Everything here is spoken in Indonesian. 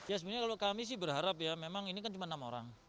ya sebenarnya kalau kami sih berharap ya memang ini kan cuma enam orang